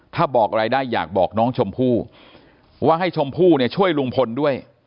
ถ้าบอกอะไรได้อยากบอกน้องชมพู่ว่าให้ชมพู่เนี่ยช่วยลุงพลด้วย